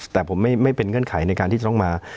แต่ผมไม่เป็นเงื่อนไขในการที่จะต้องมา